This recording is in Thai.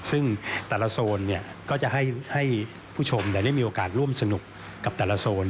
ซึ่งแต่ละโซนก็จะให้ผู้ชมได้มีโอกาสร่วมสนุกกับแต่ละโซน